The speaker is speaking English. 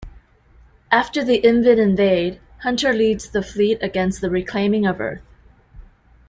After the Invid invade, Hunter leads the fleet against the reclaiming of Earth.